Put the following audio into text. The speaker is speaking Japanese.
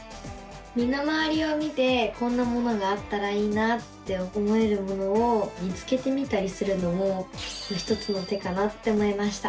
身の回りを見てこんなものがあったらいいなって思えるものを見つけてみたりするのも一つの手かなって思いました。